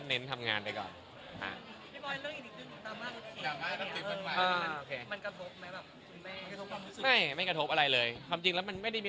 แต่ว่าก็ไม่ได้มีอะไร